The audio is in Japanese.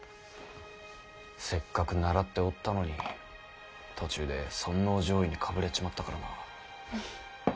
せっかく習っておったのに途中で尊王攘夷にかぶれちまったからな。